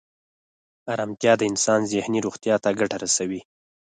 ارامتیا د انسان ذهني روغتیا ته ګټه رسوي.